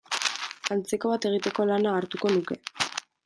Antzeko bat egiteko lana hartuko nuke.